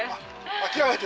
諦めて？